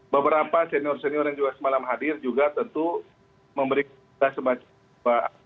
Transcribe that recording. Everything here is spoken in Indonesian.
beberapa senior senior yang juga semalam hadir juga tentu memberikan semacam